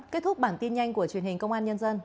kết thúc bản tin nhanh của truyền hình công an nhân dân